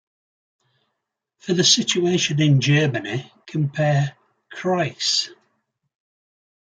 For the situation in Germany compare "Kreise".